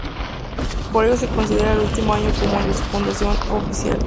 Por ello se considera el último año como el de su fundación oficial.